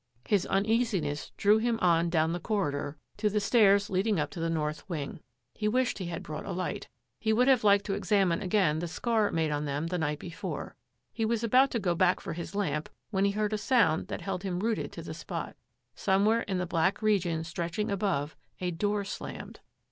His uneasiness drew him on down the corridor to 64 THAT AFFAIR AT THE MANOR the stairs leading up to the north wing. He wished that he had brought a light. He would have liked to examine again the scar made on them the night before. He was about to go back for his lamp when he heard a sound that held him rooted to the spot. Somewhere in the black region stretching above a door slammed.